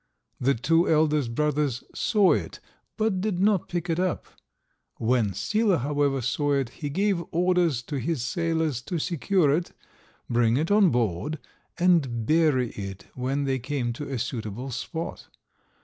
The two eldest brothers saw it, but did not pick it up. When Sila, however, saw it, he gave orders to his sailors to secure it, bring it on board, and bury it when they came to a suitable spot.